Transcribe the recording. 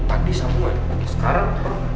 tadi sama sekarang